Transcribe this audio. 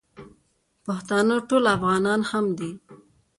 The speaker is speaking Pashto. پښتانه ټول افغانان هم دي.